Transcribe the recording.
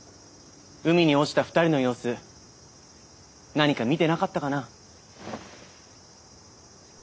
海に落ちた２人の様子何か見てなかったかな？